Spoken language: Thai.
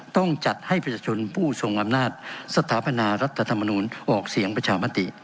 ต้องจัดให้ประชาชนผู้ทรงอำนาจสถาปนารัฐธรรมนูลออกเสียงประชามติ